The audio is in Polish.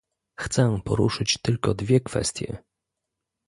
Chcę poruszyć tylko dwie kwestie